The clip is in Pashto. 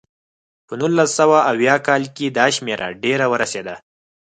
په نولس سوه اویا کال کې دا شمېره ډېره ورسېده.